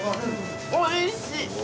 おいしい！